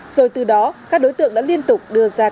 rồi từ đó các đối tượng đã liên tục đưa ra các vấn đạo